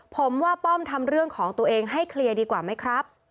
ผมว่าป้อมทำเรื่องของตัวเองให้เคลียร์ดีกว่าไหมครับ